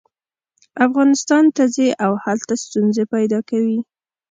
افغانستان ته ځي او هلته ستونزې پیدا کوي.